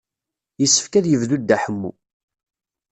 Yessefk ad yebdu Dda Ḥemmu.